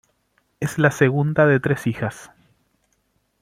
Es la segunda de tres hijas.